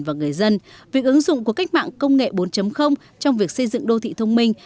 và người dân việc ứng dụng của cách mạng công nghệ bốn trong việc xây dựng đô thị thông minh